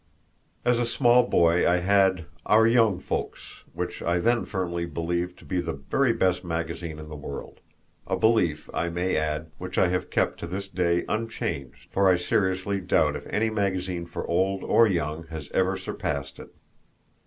As a small boy I had Our Young Folks, which I then firmly believed to be the very best magazine in the world a belief, I may add, which I have kept to this day unchanged, for I seriously doubt if any magazine for old or young has ever surpassed it.